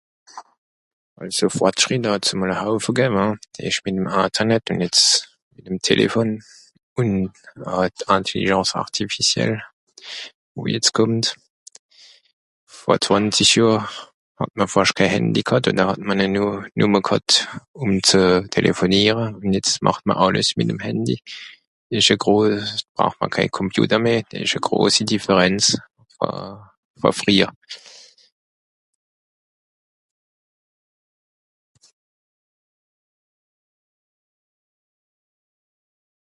Àlso fortschritt hàt (...). Ìch bìn ìm Internet ùn jetz ìm Telefon, ùn hàb Intelligence artificielle, wo jetz kùmmt. Vor zwànzisch Johr hàt mr fàscht kè Hand ghàt mìr hàt ne nu... numme kàt ùm ze telefoniere. Ùn jetz màcht mr àlles mìt'm Handy. Ìsch e gros... braucht ma ké Computer meh... dìe ìsch e grosi Differenz vo... vo frìehjer.